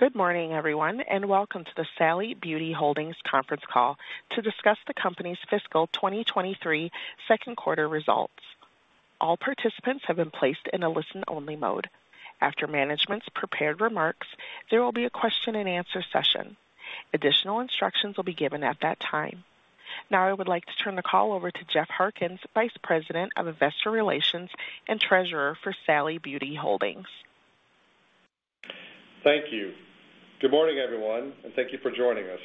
Good morning, everyone, and welcome to the Sally Beauty Holdings conference call to discuss the company's fiscal 2023 second quarter results. All participants have been placed in a listen-only mode. After management's prepared remarks, there will be a question-and-answer session. Additional instructions will be given at that time. Now I would like to turn the call over to Jeff Harkins, Vice President of Investor Relations and Treasurer for Sally Beauty Holdings. Thank you. Good morning, everyone, and thank you for joining us.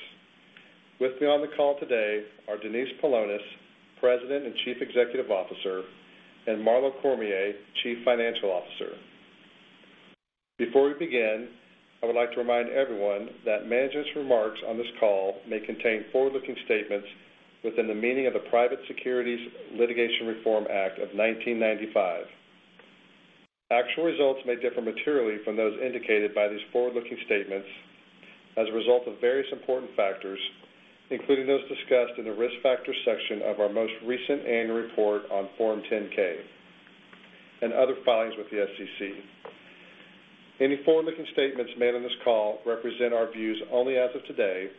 With me on the call today are Denise Paulonis, President and Chief Executive Officer, and Marlo Cormier, Chief Financial Officer. Before we begin, I would like to remind everyone that management's remarks on this call may contain forward-looking statements within the meaning of the Private Securities Litigation Reform Act of 1995. Actual results may differ materially from those indicated by these forward-looking statements as a result of various important factors, including those discussed in the Risk Factors section of our most recent Annual Report on Form 10-K and other filings with the SEC. Any forward-looking statements made on this call represent our views only as of today,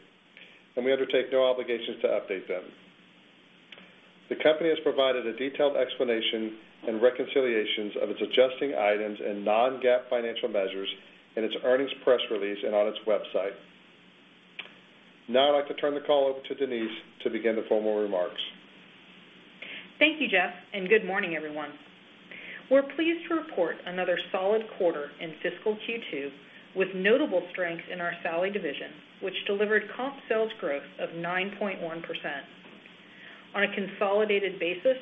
and we undertake no obligations to update them. The company has provided a detailed explanation and reconciliations of its adjusting items and non-GAAP financial measures in its earnings press release and on its website. Now I'd like to turn the call over to Denise to begin the formal remarks. Thank you, Jeff. Good morning, everyone. We're pleased to report another solid quarter in fiscal Q2 with notable strength in our Sally division, which delivered comp sales growth of 9.1%. On a consolidated basis,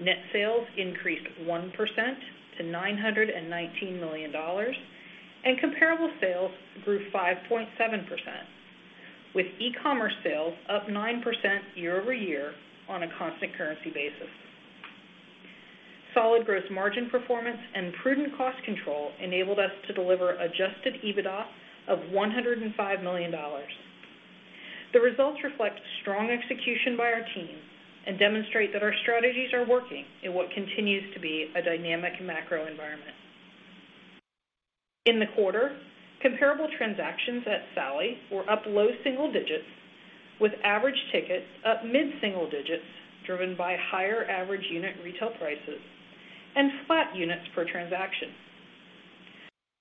net sales increased 1% to $919 million, and comparable sales grew 5.7%, with e-commerce sales up 9% year-over-year on a constant currency basis. Solid gross margin performance and prudent cost control enabled us to deliver adjusted EBITDA of $105 million. The results reflect strong execution by our team and demonstrate that our strategies are working in what continues to be a dynamic macro environment. In the quarter, comparable transactions at Sally were up low single digits, with average tickets up mid-single digits, driven by higher average unit retail prices and flat units per transaction.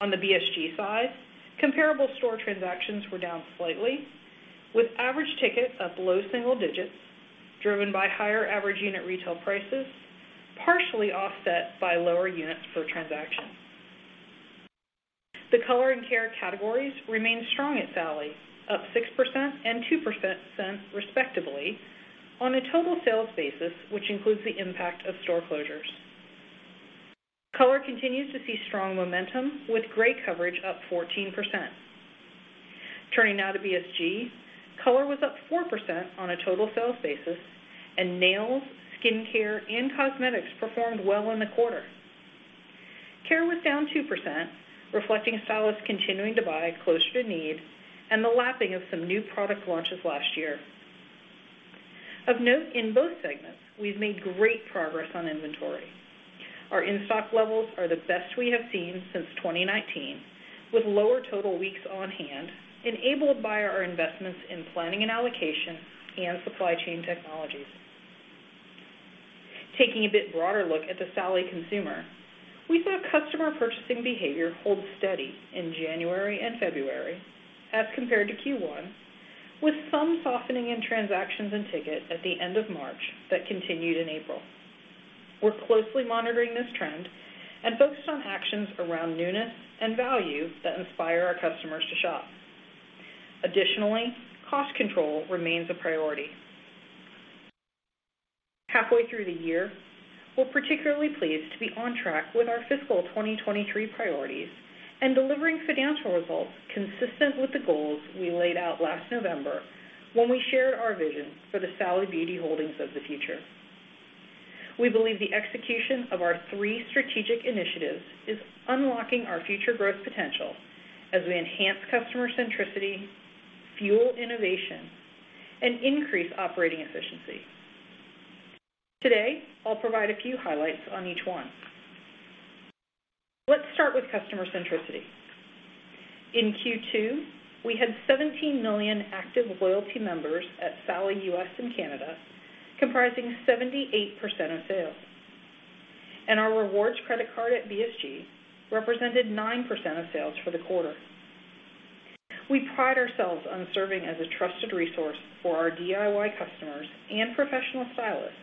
On the BSG side, comparable store transactions were down slightly, with average tickets up low single digits, driven by higher average unit retail prices, partially offset by lower units per transaction. The color and care categories remained strong at Sally, up 6% and 2%, respectively, on a total sales basis, which includes the impact of store closures. Color continues to see strong momentum, with great coverage up 14%. Turning now to BSG, color was up 4% on a total sales basis, and nails, skin care, and cosmetics performed well in the quarter. Care was down 2%, reflecting stylists continuing to buy closer to need and the lapping of some new product launches last year. Of note, in both segments, we've made great progress on inventory. Our in-stock levels are the best we have seen since 2019, with lower total weeks on hand, enabled by our investments in planning and allocation and supply chain technologies. Taking a bit broader look at the Sally consumer, we saw customer purchasing behavior hold steady in January and February as compared to Q1, with some softening in transactions and ticket at the end of March that continued in April. Cost control remains a priority. Halfway through the year, we're particularly pleased to be on track with our fiscal 2023 priorities and delivering financial results consistent with the goals we laid out last November when we shared our vision for the Sally Beauty Holdings of the future. We believe the execution of our three strategic initiatives is unlocking our future growth potential as we enhance customer centricity, fuel innovation, and increase operating efficiency. Today, I'll provide a few highlights on each one. Let's start with customer centricity. In Q2, we had 17 million active loyalty members at Sally U.S. and Canada, comprising 78% of sales. Our rewards credit card at BSG represented 9% of sales for the quarter. We pride ourselves on serving as a trusted resource for our DIY customers and professional stylists.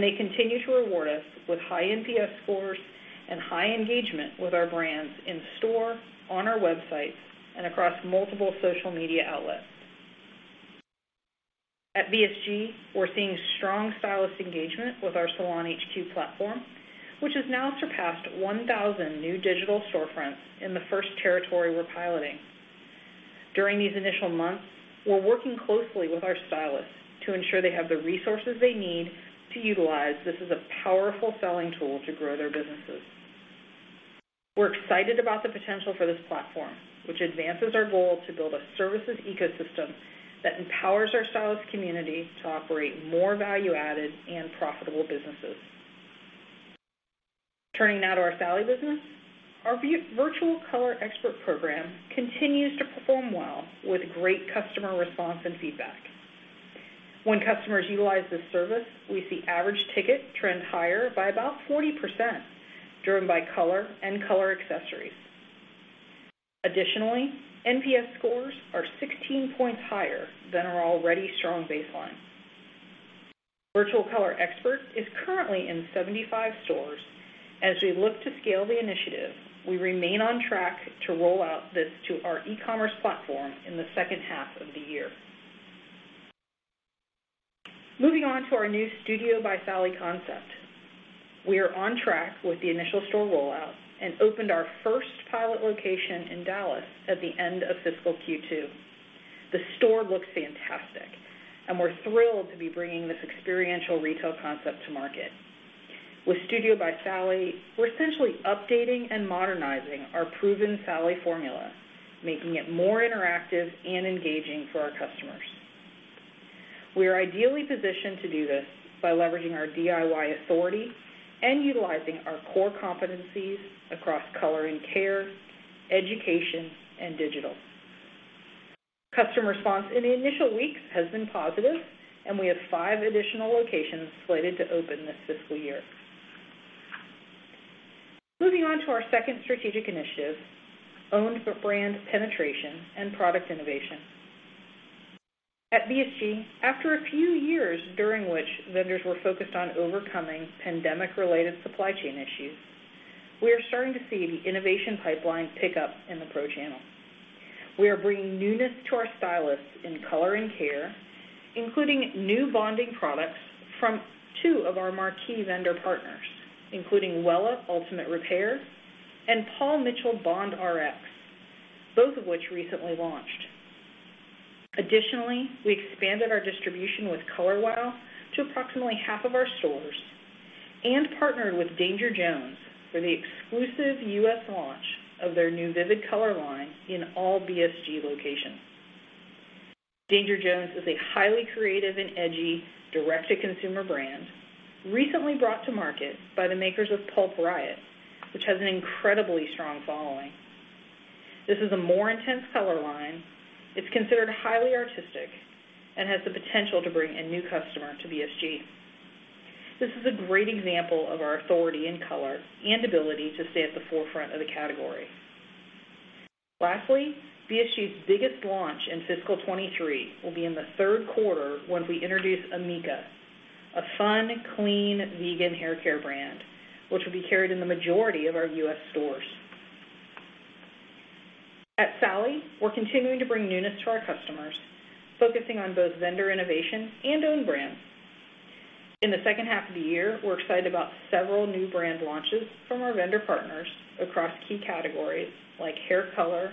They continue to reward us with high NPS scores and high engagement with our brands in store, on our websites, and across multiple social media outlets. At BSG, we're seeing strong stylist engagement with our SalonHQ platform, which has now surpassed 1,000 new digital storefronts in the first territory we're piloting. During these initial months, we're working closely with our stylists to ensure they have the resources they need to utilize this as a powerful selling tool to grow their businesses. We're excited about the potential for this platform, which advances our goal to build a services ecosystem that empowers our stylist community to operate more value-added and profitable businesses. Turning now to our Sally business. Our Virtual Color Expert program continues to perform well with great customer response and feedback. When customers utilize this service, we see average ticket trend higher by about 40%, driven by color and color accessories. Additionally, NPS scores are 16 points higher than our already strong baseline. Virtual Color Expert is currently in 75 stores. As we look to scale the initiative, we remain on track to roll out this to our e-commerce platform in the second half of the year. Moving on to our new Studio by Sally concept. We are on track with the initial store rollout and opened our first pilot location in Dallas at the end of fiscal Q2. The store looks fantastic, and we're thrilled to be bringing this experiential retail concept to market. With Studio by Sally, we're essentially updating and modernizing our proven Sally formula, making it more interactive and engaging for our customers. We are ideally positioned to do this by leveraging our DIY authority and utilizing our core competencies across color and care, education, and digital. Customer response in the initial weeks has been positive, and we have five additional locations slated to open this fiscal year. Moving on to our second strategic initiative, owned brand penetration and product innovation. At BSG, after a few years during which vendors were focused on overcoming pandemic-related supply chain issues, we are starting to see the innovation pipeline pick up in the pro channel. We are bringing newness to our stylists in color and care, including new bonding products from two of our marquee vendor partners, including Wella Ultimate Repair and Paul Mitchell Bond Rx, both of which recently launched. Additionally, we expanded our distribution with Color Wow to approximately half of our stores and partnered with Danger Jones for the exclusive U.S. launch of their new Vivid color line in all BSG locations. Danger Jones is a highly creative and edgy direct-to-consumer brand recently brought to market by the makers of Pulp Riot, which has an incredibly strong following. This is a more intense color line. It's considered highly artistic and has the potential to bring a new customer to BSG. This is a great example of our authority in color and ability to stay at the forefront of the category. Lastly, BSG's biggest launch in fiscal 2023 will be in the third quarter when we introduce Amika, a fun, clean, vegan haircare brand, which will be carried in the majority of our U.S. stores. At Sally, we're continuing to bring newness to our customers, focusing on both vendor innovation and own brands. In the second half of the year, we're excited about several new brand launches from our vendor partners across key categories like hair color,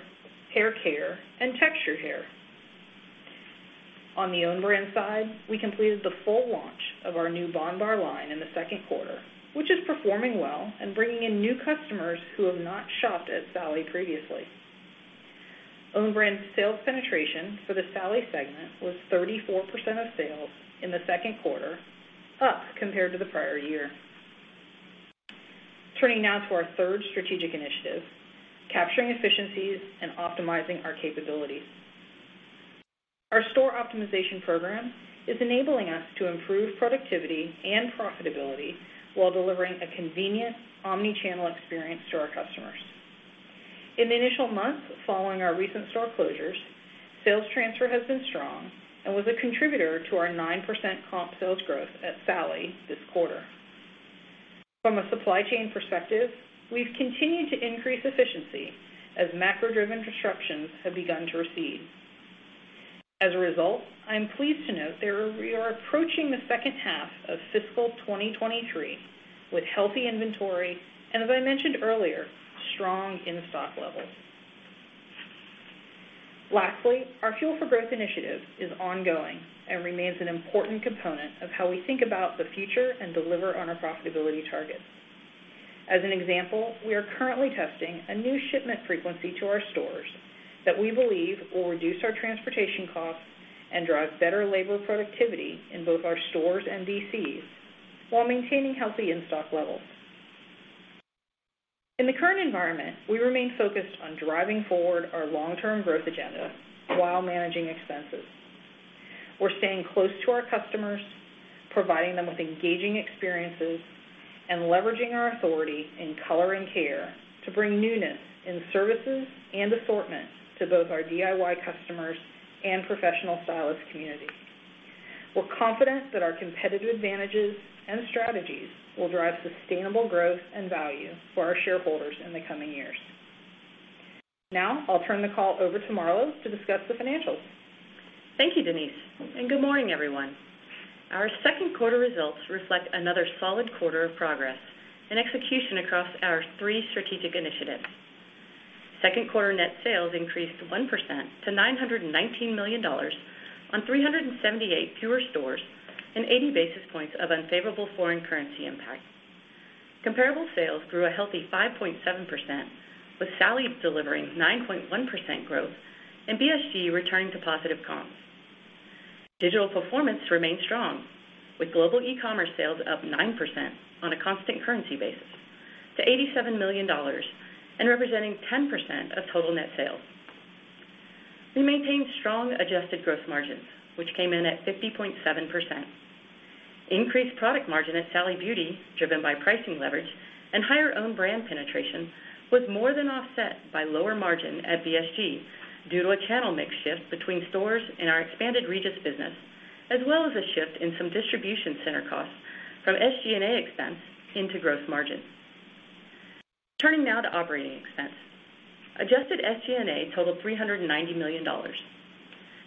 hair care, and textured hair. On the own brand side, we completed the full launch of our new bondbar line in the second quarter, which is performing well and bringing in new customers who have not shopped at Sally previously. Own brand sales penetration for the Sally segment was 34% of sales in the second quarter, up compared to the prior year. Turning now to our third strategic initiative, capturing efficiencies and optimizing our capabilities. Our store optimization program is enabling us to improve productivity and profitability while delivering a convenient omnichannel experience to our customers. In the initial months following our recent store closures, sales transfer has been strong and was a contributor to our 9% comp sales growth at Sally this quarter. From a supply chain perspective, we've continued to increase efficiency as macro-driven disruptions have begun to recede. As a result, I'm pleased to note that we are approaching the second half of fiscal 2023 with healthy inventory and, as I mentioned earlier, strong in-stock levels. Our Fuel for Growth initiative is ongoing and remains an important component of how we think about the future and deliver on our profitability targets. We are currently testing a new shipment frequency to our stores that we believe will reduce our transportation costs and drive better labor productivity in both our stores and DCs while maintaining healthy in-stock levels. In the current environment, we remain focused on driving forward our long-term growth agenda while managing expenses. We're staying close to our customers, providing them with engaging experiences, and leveraging our authority in color and care to bring newness in services and assortment to both our DIY customers and professional stylist community. We're confident that our competitive advantages and strategies will drive sustainable growth and value for our shareholders in the coming years. I'll turn the call over to Marlo to discuss the financials. Thank you, Denise, and good morning, everyone. Our second quarter results reflect another solid quarter of progress and execution across our three strategic initiatives. Second quarter net sales increased 1% to $919 million on 378 fewer stores and 80 basis points of unfavorable foreign currency impact. Comparable sales grew a healthy 5.7%, with Sally delivering 9.1% growth and BSG returning to positive comps. Digital performance remained strong with global e-commerce sales up 9% on a constant currency basis to $87 million and representing 10% of total net sales. We maintained strong adjusted gross margins, which came in at 50.7%. Increased product margin at Sally Beauty, driven by pricing leverage and higher own brand penetration, was more than offset by lower margin at BSG due to a channel mix shift between stores and our expanded Regis business, as well as a shift in some distribution center costs from SG&A expense into gross margin. Turning now to operating expense. Adjusted SG&A totaled $390 million.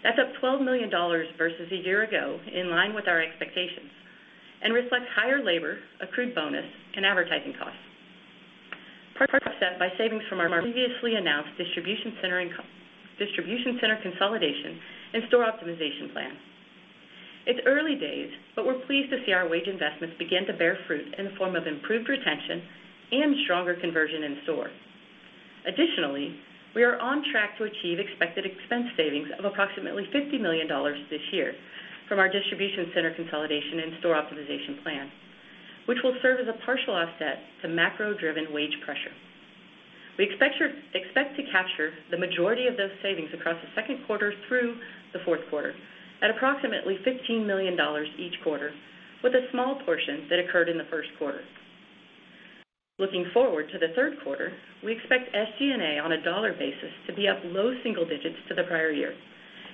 That's up $12 million versus a year ago, in line with our expectations, reflects higher labor, accrued bonus and advertising costs. Part set by savings from our previously announced distribution center consolidation and store optimization plan. It's early days, we're pleased to see our wage investments begin to bear fruit in the form of improved retention and stronger conversion in stores. Additionally, we are on track to achieve expected expense savings of approximately $50 million this year from our distribution center consolidation and store optimization plan, which will serve as a partial offset to macro-driven wage pressure. We expect to capture the majority of those savings across the second quarter through the fourth quarter at approximately $15 million each quarter, with a small portion that occurred in the first quarter. Looking forward to the third quarter, we expect SG&A on a dollar basis to be up low single digits to the prior year,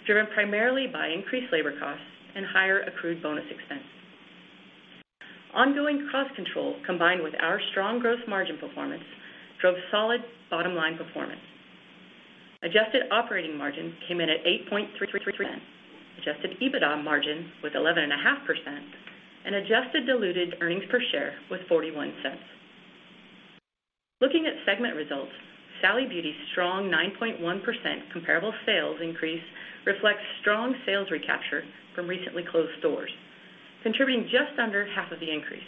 driven primarily by increased labor costs and higher accrued bonus expense. Ongoing cost control, combined with our strong growth margin performance, drove solid bottom line performance. Adjusted operating margin came in at 8.3%. Adjusted EBITDA margin was 11.5%, and adjusted diluted earnings per share was $0.41. Looking at segment results, Sally Beauty's strong 9.1% comparable sales increase reflects strong sales recapture from recently closed stores, contributing just under half of the increase,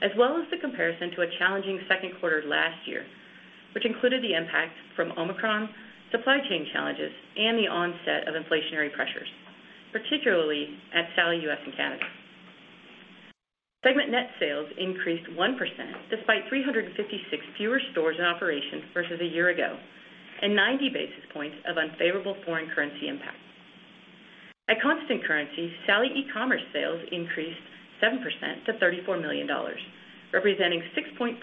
as well as the comparison to a challenging second quarter last year, which included the impact from Omicron, supply chain challenges, and the onset of inflationary pressures, particularly at Sally U.S. and Canada. Segment net sales increased 1% despite 356 fewer stores in operation versus a year ago, and 90 basis points of unfavorable foreign currency impact. At constant currency, Sally e-commerce sales increased 7% to $34 million, representing 6.4%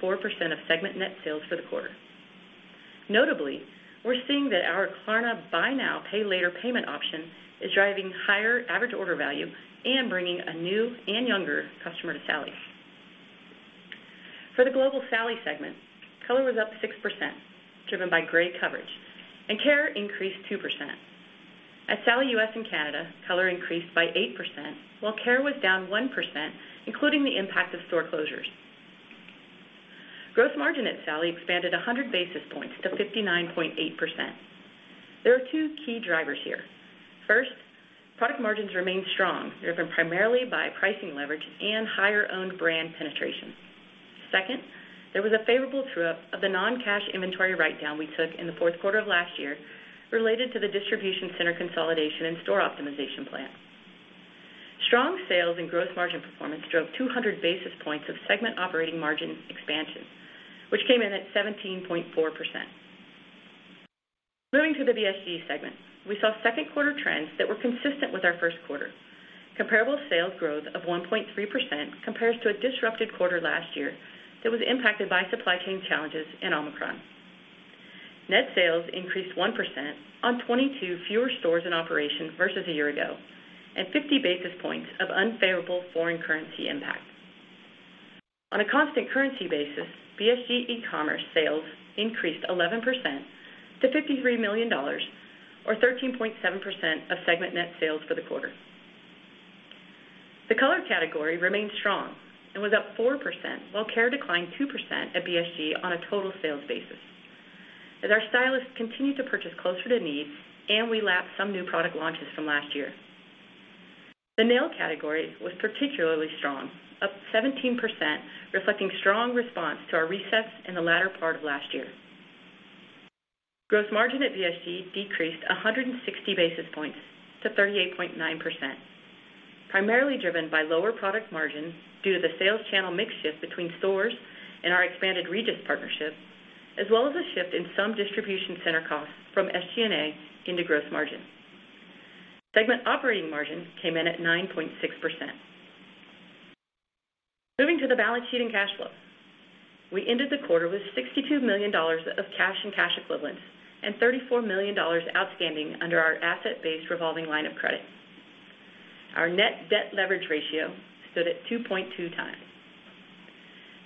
of segment net sales for the quarter. Notably, we're seeing that our Klarna Buy Now, Pay Later payment option is driving higher average order value and bringing a new and younger customer to Sally. For the global Sally segment, color was up 6%, driven by gray coverage, and care increased 2%. At Sally U.S. and Canada, color increased by 8%, while care was down 1%, including the impact of store closures. Gross margin at Sally expanded 100 basis points to 59.8%. There are two key drivers here. First, product margins remained strong, driven primarily by pricing leverage and higher owned brand penetration. Second, there was a favorable true-up of the non-cash inventory write-down we took in the fourth quarter of last year related to the distribution center consolidation and store optimization plan. Strong sales and gross margin performance drove 200 basis points of segment operating margin expansion, which came in at 17.4%. Moving to the BSG segment, we saw second quarter trends that were consistent with our first quarter. Comparable sales growth of 1.3% compares to a disrupted quarter last year that was impacted by supply chain challenges and Omicron. Net sales increased 1% on 22 fewer stores in operation versus a year ago, and 50 basis points of unfavorable foreign currency impact. On a constant currency basis, BSG e-commerce sales increased 11% to $53 million or 13.7% of segment net sales for the quarter. The color category remained strong and was up 4%, while care declined 2% at BSG on a total sales basis, as our stylists continued to purchase closer to needs and we lapped some new product launches from last year. The nail category was particularly strong, up 17%, reflecting strong response to our resets in the latter part of last year. Gross margin at BSG decreased 160 basis points to 38.9%, primarily driven by lower product margin due to the sales channel mix shift between stores and our expanded Regis partnership, as well as a shift in some distribution center costs from SG&A into gross margin. Segment operating margin came in at 9.6%. Moving to the balance sheet and cash flow. We ended the quarter with $62 million of cash and cash equivalents and $34 million outstanding under our asset-based revolving line of credit. Our net debt leverage ratio stood at 2.2x.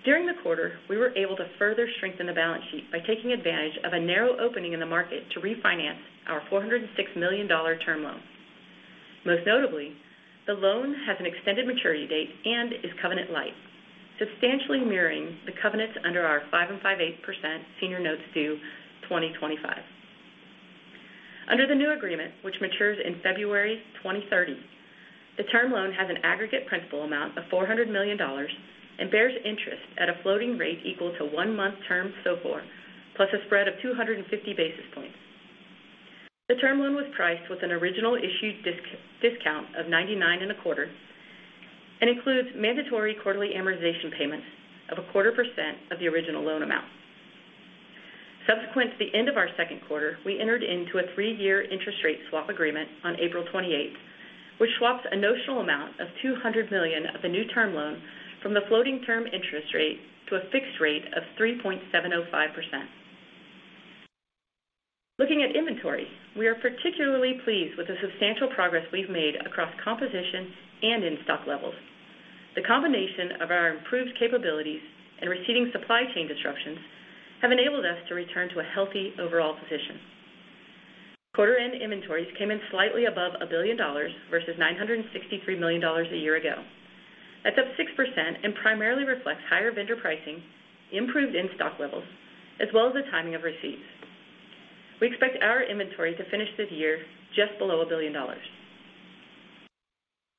During the quarter, we were able to further strengthen the balance sheet by taking advantage of a narrow opening in the market to refinance our $406 million term loan. Most notably, the loan has an extended maturity date and is covenant light, substantially mirroring the covenants under our five and five-eighth% senior notes due 2025. Under the new agreement, which matures in February 2030, the term loan has an aggregate principal amount of $400 million and bears interest at a floating rate equal to one-month term SOFR plus a spread of 250 basis points. The term loan was priced with an original issue discount of 99 and a quarter and includes mandatory quarterly amortization payments of a quarter% of the original loan amount. Subsequent to the end of our second quarter, we entered into a three-year interest rate swap agreement on April 28, which swaps a notional amount of $200 million of the new term loan from the floating term interest rate to a fixed rate of 3.705%. Looking at inventory, we are particularly pleased with the substantial progress we've made across composition and in-stock levels. The combination of our improved capabilities and receding supply chain disruptions have enabled us to return to a healthy overall position. Quarter-end inventories came in slightly above $1 billion versus $963 million a year ago. That's up 6% and primarily reflects higher vendor pricing, improved in-stock levels, as well as the timing of receipts. We expect our inventory to finish this year just below $1 billion.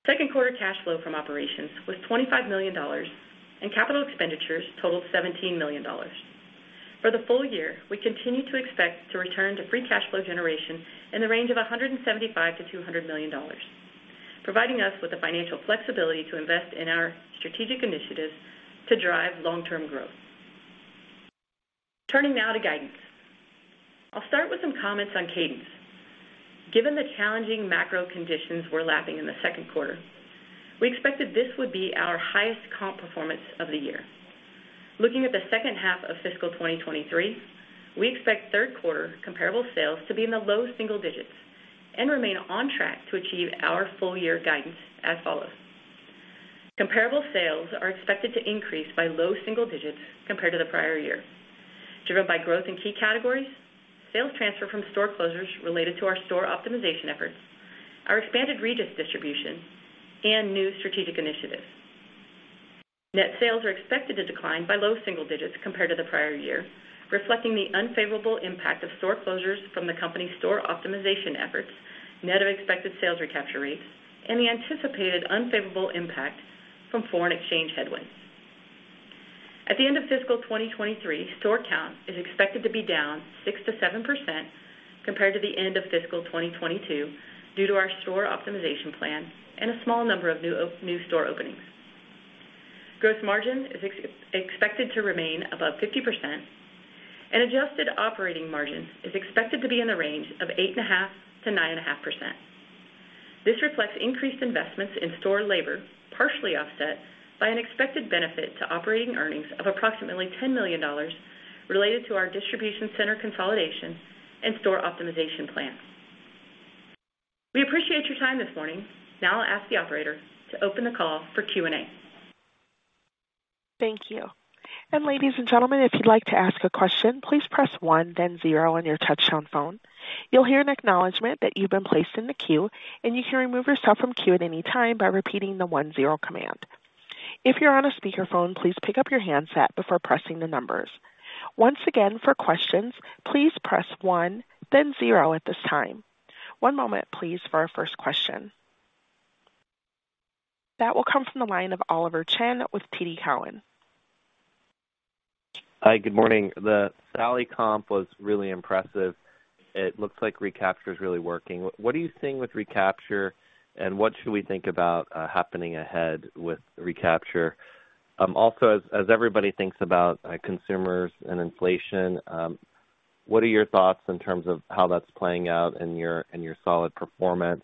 Second quarter cash flow from operations was $25 million and capital expenditures totaled $17 million. For the full year, we continue to expect to return to free cash flow generation in the range of $175 million-$200 million, providing us with the financial flexibility to invest in our strategic initiatives to drive long-term growth. Turning now to guidance. I'll start with some comments on cadence. Given the challenging macro conditions we're lapping in the second quarter, we expected this would be our highest comp performance of the year. Looking at the second half of fiscal 2023, we expect third quarter comparable sales to be in the low single digits and remain on track to achieve our full year guidance as follows. Comparable sales are expected to increase by low single digits compared to the prior year, driven by growth in key categories, sales transfer from store closures related to our store optimization efforts, our expanded Regis distribution, and new strategic initiatives. Net sales are expected to decline by low single digits compared to the prior year, reflecting the unfavorable impact of store closures from the company's store optimization efforts, net of expected sales recapture rates, and the anticipated unfavorable impact from foreign exchange headwinds. At the end of fiscal 2023, store count is expected to be down 6%-7% compared to the end of fiscal 2022 due to our store optimization plan and a small number of new store openings. Gross margin is expected to remain above 50%, and adjusted operating margin is expected to be in the range of 8.5%-9.5%. This reflects increased investments in store labor, partially offset by an expected benefit to operating earnings of approximately $10 million related to our distribution center consolidation and store optimization plan. We appreciate your time this morning. I'll ask the operator to open the call for Q&A. Thank you. Ladies and gentlemen, if you'd like to ask a question, please press one, then zero on your touchtone phone. You'll hear an acknowledgment that you've been placed in the queue, and you can remove yourself from queue at any time by repeating the one zero command. If you're on a speakerphone, please pick up your handset before pressing the numbers. Once again, for questions, please press one, then zero at this time. One moment, please, for our first question. That will come from the line of Oliver Chen with TD Cowen. Hi. Good morning. The Sally comp was really impressive. It looks like recapture is really working. What are you seeing with recapture, and what should we think about happening ahead with recapture? Also, as everybody thinks about consumers and inflation, what are your thoughts in terms of how that's playing out in your, in your solid performance?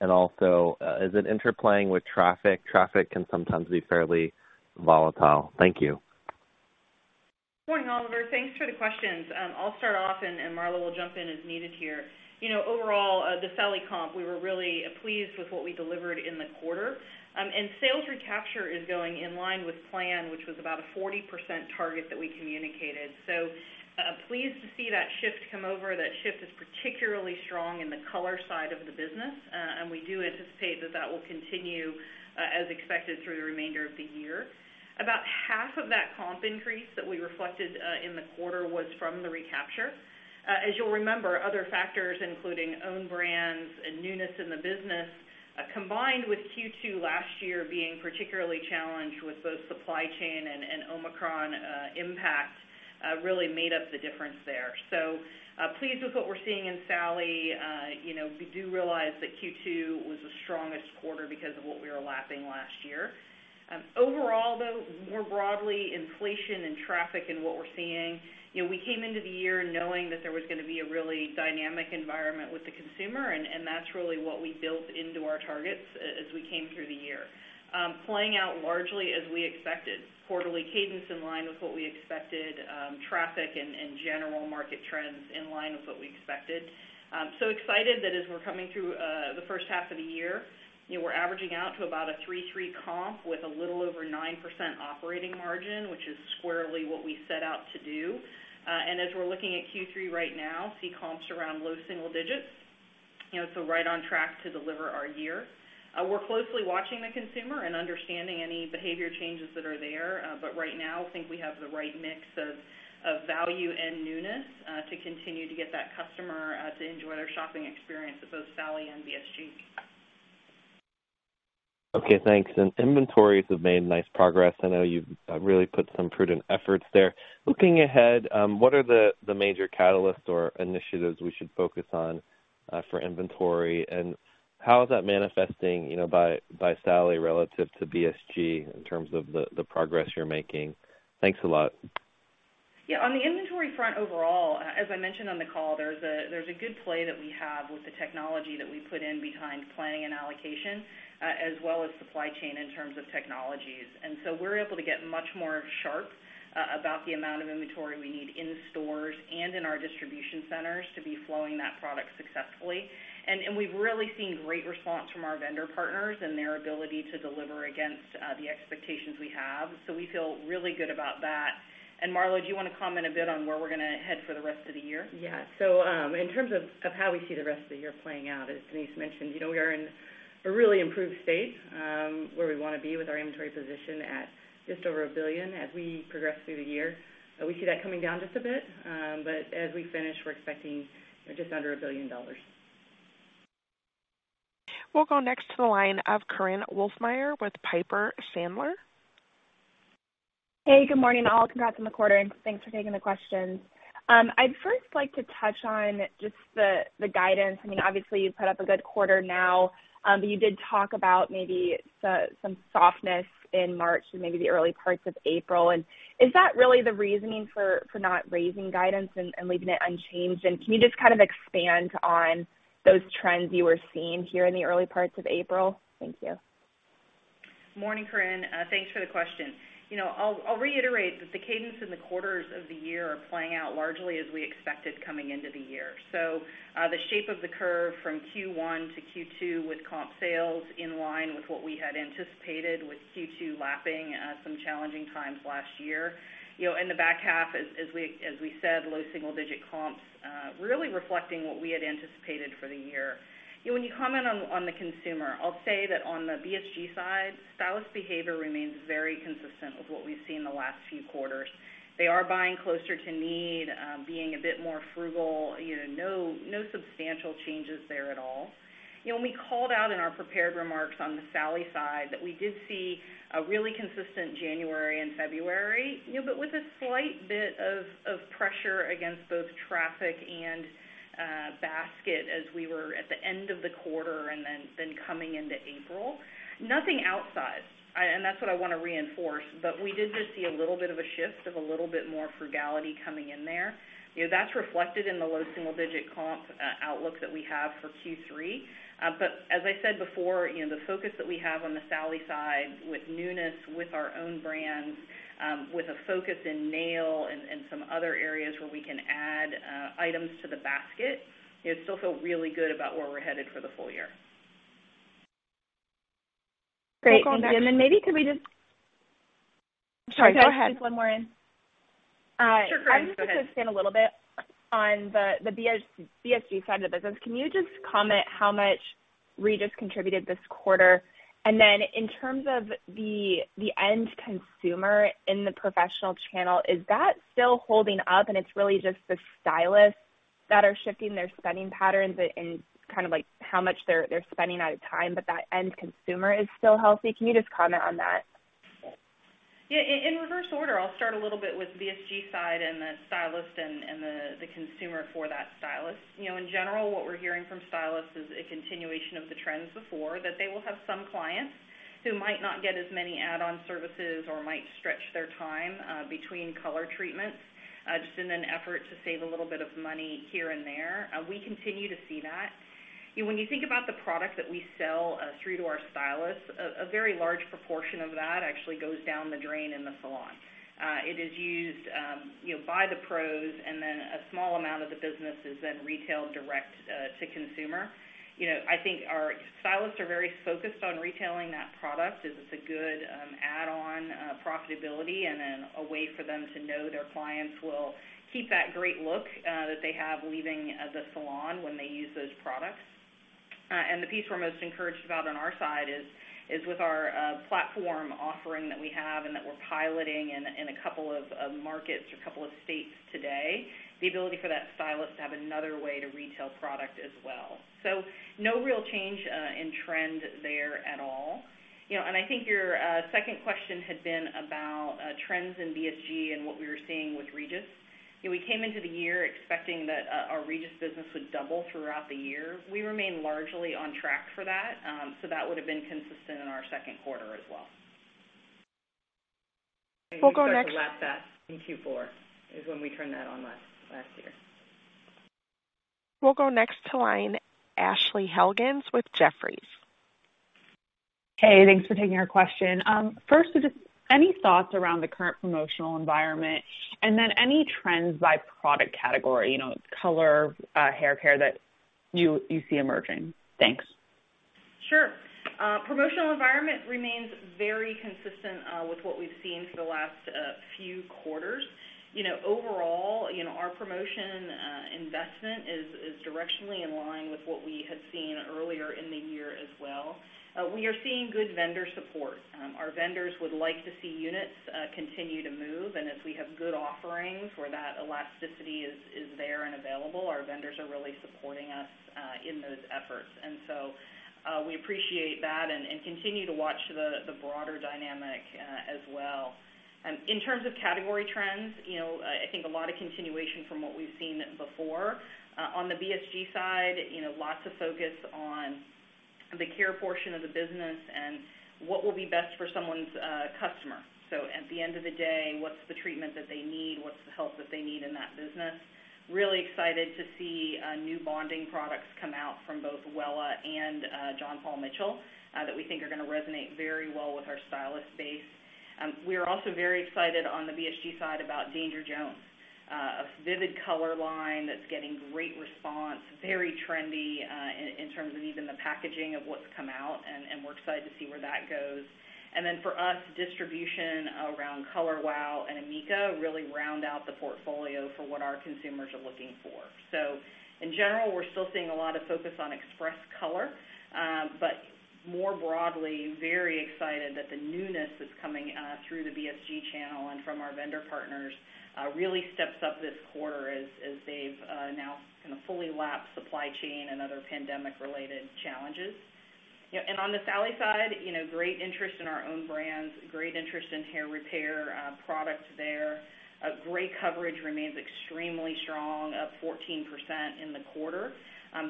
Also, is it interplaying with traffic? Traffic can sometimes be fairly volatile. Thank you. Morning, Oliver. Thanks for the questions. I'll start off, and Marlo will jump in as needed here. You know, overall, the Sally comp, we were really pleased with what we delivered in the quarter. Sales recapture is going in line with plan, which was about a 40% target that we communicated. Pleased to see that shift come over. That shift is particularly strong in the color side of the business, and we do anticipate that that will continue as expected through the remainder of the year. About half of that comp increase that we reflected in the quarter was from the recapture. As you'll remember, other factors, including own brands and newness in the business, combined with Q2 last year being particularly challenged with both supply chain and Omicron impact, really made up the difference there. Pleased with what we're seeing in Sally. You know, we do realize that Q2 was the strongest quarter because of what we were lapping last year. Overall, though, more broadly, inflation and traffic and what we're seeing, you know, we came into the year knowing that there was gonna be a really dynamic environment with the consumer, that's really what we built into our targets as we came through the year. Playing out largely as we expected, quarterly cadence in line with what we expected, traffic and general market trends in line with what we expected. Excited that as we're coming through the first half of the year, you know, we're averaging out to about a 3.3% comp with a little over 9% operating margin, which is squarely what we set out to do. As we're looking at Q3 right now, see comps around low single digits, you know, right on track to deliver our year. We're closely watching the consumer and understanding any behavior changes that are there. Right now think we have the right mix of value and newness to continue to get that customer to enjoy their shopping experience at both Sally and BSG. Okay, thanks. Inventories have made nice progress. I know you've really put some prudent efforts there. Looking ahead, what are the major catalysts or initiatives we should focus on for inventory? How is that manifesting, you know, by Sally relative to BSG in terms of the progress you're making? Thanks a lot. Yeah. On the inventory front overall, as I mentioned on the call, there's a good play that we have with the technology that we put in behind planning and allocation, as well as supply chain in terms of technologies. So we're able to get much more sharp about the amount of inventory we need in stores and in our distribution centers to be flowing that product successfully. And we've really seen great response from our vendor partners and their ability to deliver against the expectations we have. So we feel really good about that. Marlo, do you wanna comment a bit on where we're gonna head for the rest of the year? In terms of how we see the rest of the year playing out, as Denise mentioned, you know, we are in a really improved state, where we wanna be with our inventory position at just over $1 billion as we progress through the year. We see that coming down just a bit. As we finish, we're expecting just under $1 billion. We'll go next to the line of Korinne Wolfmeyer with Piper Sandler. Hey, good morning, all. Congrats on the quarter, thanks for taking the questions. I'd first like to touch on just the guidance. I mean, obviously you've put up a good quarter now, but you did talk about maybe some softness in March and maybe the early parts of April. Is that really the reasoning for not raising guidance and leaving it unchanged? Can you just kind of expand on those trends you were seeing here in the early parts of April? Thank you. Morning, Korinne. Thanks for the question. You know, I'll reiterate that the cadence in the quarters of the year are playing out largely as we expected coming into the year. The shape of the curve from Q1 to Q2 with comp sales in line with what we had anticipated with Q2 lapping some challenging times last year. You know, in the back half, as we said, low single digit comps, really reflecting what we had anticipated for the year. You know, when you comment on the consumer, I'll say that on the BSG side, stylist behavior remains very consistent with what we've seen the last few quarters. They are buying closer to need, being a bit more frugal, you know, no substantial changes there at all. You know, when we called out in our prepared remarks on the Sally side that we did see a really consistent January and February, you know, but with a slight bit of pressure against both traffic and basket as we were at the end of the quarter and then coming into April. Nothing outside, and that's what I wanna reinforce. We did just see a little bit of a shift of a little bit more frugality coming in there. You know, that's reflected in the low single digit comp outlook that we have for Q3. As I said before, you know, the focus that we have on the Sally side with newness, with our own brands, with a focus in nail and some other areas where we can add items to the basket, you know, still feel really good about where we're headed for the full year. Great. Thank you. We'll go next- maybe could we just... Sorry, go ahead. Just one more in. Sure. Go ahead. I'm just gonna expand a little bit on the BSG side of the business. Can you just comment how much Regis contributed this quarter? Then in terms of the end consumer in the professional channel, is that still holding up and it's really just the stylists that are shifting their spending patterns and kind of, like, how much they're spending at a time, but that end consumer is still healthy? Can you just comment on that? Yeah. In, in reverse order, I'll start a little bit with BSG side and the stylist and the consumer for that stylist. You know, in general, what we're hearing from stylists is a continuation of the trends before, that they will have some clients who might not get as many add-on services or might stretch their time between color treatments, just in an effort to save a little bit of money here and there. We continue to see that. You know, when you think about the product that we sell, through to our stylists, a very large proportion of that actually goes down the drain in the salon. It is used, you know, by the pros. Then a small amount of the business is then retailed direct to consumer. You know, I think our stylists are very focused on retailing that product as it's a good add-on profitability and then a way for them to know their clients will keep that great look that they have leaving the salon when they use those products. The piece we're most encouraged about on our side is with our platform offering that we have and that we're piloting in a couple of markets or couple of states today, the ability for that stylist to have another way to retail product as well. No real change in trend there at all. You know, I think your second question had been about trends in BSG and what we were seeing with Regis. You know, we came into the year expecting that, our Regis business would double throughout the year. We remain largely on track for that. That would have been consistent in our second quarter as well. We'll go next. Start to lap that in Q4 is when we turned that on last year. We'll go next to Ashley Helgans with Jefferies. Hey, thanks for taking our question. first, just any thoughts around the current promotional environment, and then any trends by product category, you know, color, hair care that you see emerging? Thanks. Sure. Promotional environment remains very consistent with what we've seen for the last few quarters. You know, overall, you know, our promotion investment is directionally in line with what we had seen earlier in the year as well. We are seeing good vendor support. Our vendors would like to see units continue to move, and as we have good offerings where that elasticity is there and available, our vendors are really supporting us in those efforts. We appreciate that and continue to watch the broader dynamic as well. In terms of category trends, you know, I think a lot of continuation from what we've seen before. On the BSG side, you know, lots of focus on the care portion of the business and what will be best for someone's customer. At the end of the day, what's the treatment that they need? What's the help that they need in that business? Really excited to see new bonding products come out from both Wella and John Paul Mitchell that we think are gonna resonate very well with our stylist base. We are also very excited on the BSG side about Danger Jones, a vivid color line that's getting great response, very trendy in terms of even the packaging of what's come out, and we're excited to see where that goes. For us, distribution around Color Wow and Amika really round out the portfolio for what our consumers are looking for. In general, we're still seeing a lot of focus on express color. More broadly, very excited that the newness that's coming through the BSG channel and from our vendor partners really steps up this quarter as they've now kinda fully lapped supply chain and other pandemic-related challenges. You know, on the Sally side, you know, great interest in our own brands, great interest in hair repair products there. Great Coverage remains extremely strong, up 14% in the quarter.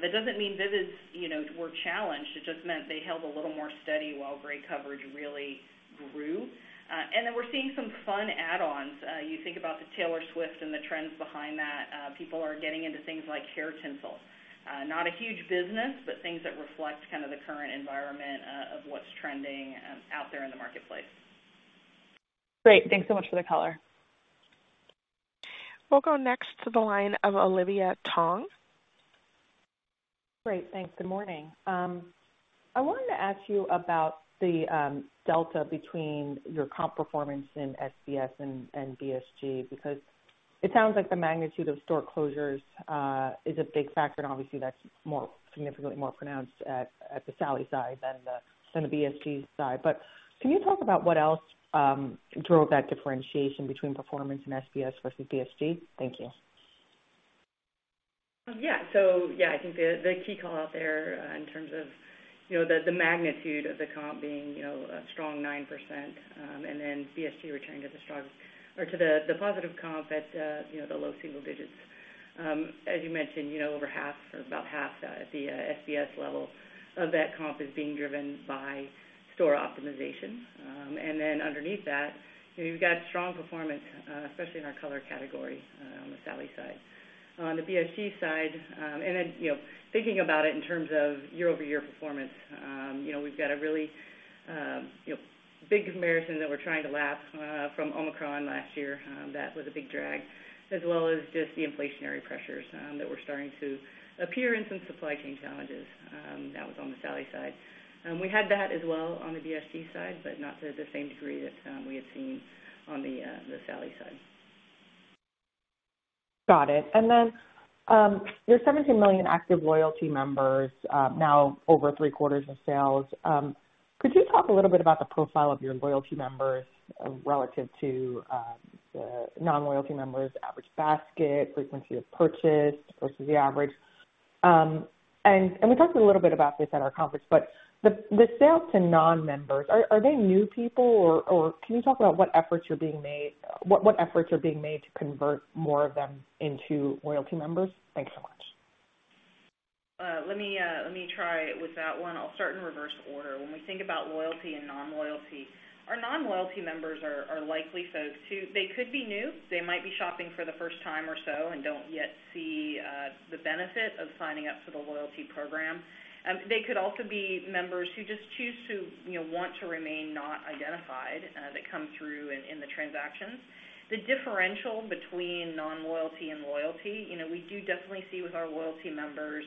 That doesn't mean Vivids, you know, were challenged. It just meant they held a little more steady while Great Coverage really grew. We're seeing some fun add-ons. You think about the Taylor Swift and the trends behind that, people are getting into things like hair tinsel. Not a huge business, but things that reflect kind of the current environment, of what's trending, out there in the marketplace. Great. Thanks so much for the color. We'll go next to the line of Olivia Tong. Great. Thanks. Good morning. I wanted to ask you about the delta between your comp performance in SBS and BSG because it sounds like the magnitude of store closures is a big factor, and obviously that's significantly more pronounced at the Sally side than the BSG side. Can you talk about what else drove that differentiation between performance in SBS versus BSG? Thank you. Yeah. I think the key call out there, in terms of, you know, the magnitude of the comp being, you know, a strong 9%, BSG returning to the positive comp at, you know, the low single digits. You mentioned, you know, over half or about half, at the SBS level of that comp is being driven by store optimization. Underneath that, you know, you've got strong performance, especially in our color category, on the Sally side. On the BSG side, and then, you know, thinking about it in terms of year-over-year performance, you know, we've got a really, you know, big comparison that we're trying to lap from Omicron last year, that was a big drag, as well as just the inflationary pressures that were starting to appear and some supply chain challenges, that was on the Sally side. We had that as well on the BSG side, but not to the same degree as we had seen on the Sally side. Got it. Your 17 million active loyalty members, now over three-quarters of sales. Could you talk a little bit about the profile of your loyalty members relative to the non-loyalty members, average basket, frequency of purchase versus the average? We talked a little bit about this at our conference, the sales to non-members, are they new people or can you talk about what efforts are being made to convert more of them into loyalty members? Thank you so much. Let me try with that one. I'll start in reverse order. When we think about loyalty and non-loyalty, our non-loyalty members are likely folks who. They could be new. They might be shopping for the first time or so and don't yet see the benefit of signing up for the loyalty program. They could also be members who just choose to, you know, want to remain not identified that come through in the transactions. The differential between non-loyalty and loyalty, you know, we do definitely see with our loyalty members,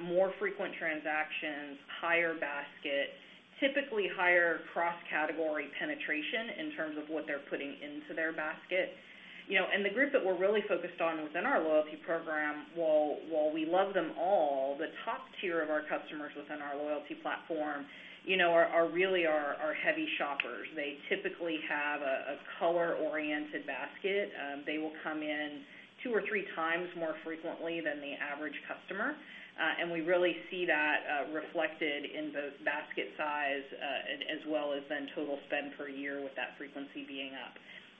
more frequent transactions, higher basket, typically higher cross-category penetration in terms of what they're putting into their basket. You know, the group that we're really focused on within our loyalty program, while we love them all, the top tier of our customers within our loyalty platform, you know, are really our heavy shoppers. They typically have a color-oriented basket. They will come in two or 3x more frequently than the average customer. We really see that reflected in both basket size, as well as then total spend per year with that frequency being up.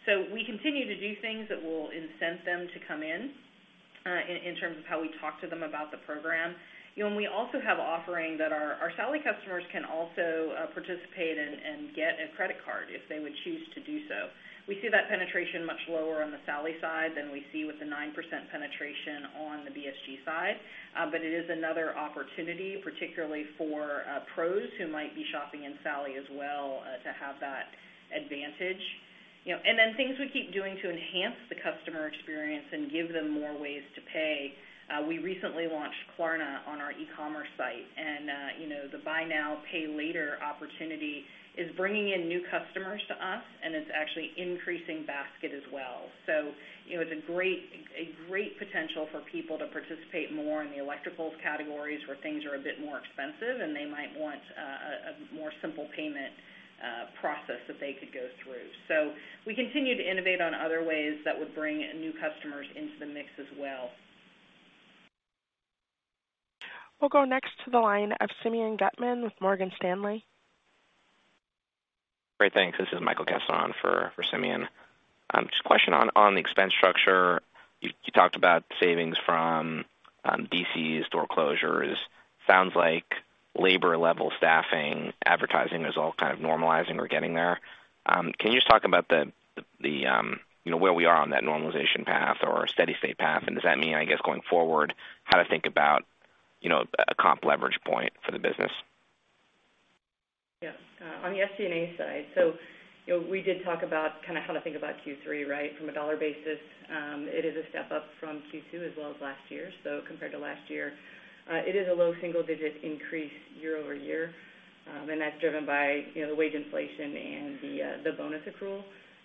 We continue to do things that will incentivize them to come in terms of how we talk to them about the program. You know, we also have offering that our Sally customers can also participate and get a credit card if they would choose to do so. We see that penetration much lower on the Sally side than we see with the 9% penetration on the BSG side. It is another opportunity, particularly for pros who might be shopping in Sally as well, to have that advantage. You know, and then things we keep doing to enhance the customer experience and give them more ways to pay. We recently launched Klarna on our e-commerce site, and, you know, the Buy Now, Pay Later opportunity is bringing in new customers to us, and it's actually increasing basket as well. You know, it's a great potential for people to participate more in the electricals categories where things are a bit more expensive, and they might want a more simple payment process that they could go through. We continue to innovate on other ways that would bring new customers into the mix as well. We'll go next to the line of Simeon Gutman with Morgan Stanley. Great, thanks. This is Michael Kessler for Simeon. Just a question on the expense structure. You talked about savings from DCs, store closures. Sounds like labor level staffing, advertising is all kind of normalizing or getting there. Can you just talk about the, you know, where we are on that normalization path or steady state path? Does that mean, I guess, going forward, how to think about, you know, a comp leverage point for the business? Yeah. On the SG&A side, you know, we did talk about kind of how to think about Q3, right? From a dollar basis, it is a step up from Q2 as well as last year. Compared to last year, it is a low single digit increase year-over-year, and that's driven by, you know, the wage inflation and the bonus accrual.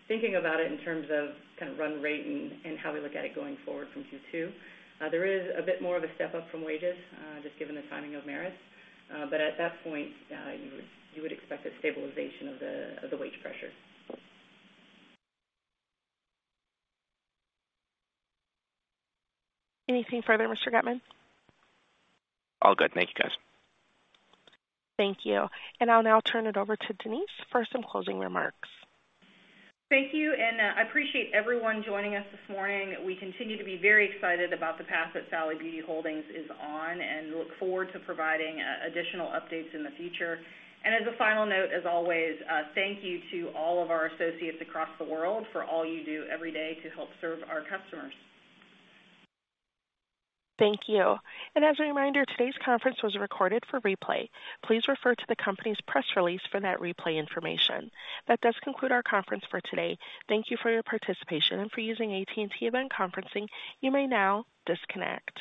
Thinking about it in terms of kind of run rate and how we look at it going forward from Q2, there is a bit more of a step up from wages, just given the timing of merits. But at that point, you would expect a stabilization of the wage pressure. Anything further, Mr. Gutman? All good. Thank you, guys. Thank you. I'll now turn it over to Denise for some closing remarks. Thank you, and I appreciate everyone joining us this morning. We continue to be very excited about the path that Sally Beauty Holdings is on and look forward to providing additional updates in the future. As a final note, as always, thank you to all of our associates across the world for all you do every day to help serve our customers. Thank you. As a reminder, today's conference was recorded for replay. Please refer to the company's press release for that replay information. That does conclude our conference for today. Thank you for your participation and for using AT&T event conferencing. You may now disconnect.